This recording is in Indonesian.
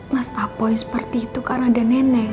mas apoi seperti itu karena ada neneng